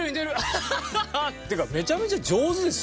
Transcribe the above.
ハハハハ！っていうかめちゃめちゃ上手です。